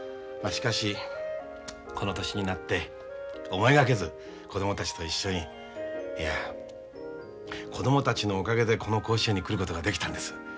しかしこの年になって思いがけず子供たちと一緒にいや子供たちのおかげでこの甲子園に来ることができたんです。